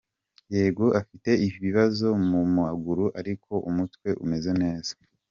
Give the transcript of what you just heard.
Yego, afite ibibazo mu maguru ariko umutwe umeze neza.